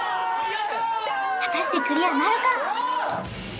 やったー果たしてクリアなるか？